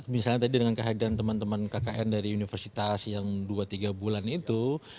misalnya tadi dengan kehadiran teman teman kkn dari universitas yang dua tiga bulan itu